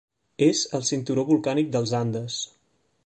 És al Cinturó volcànic dels Andes.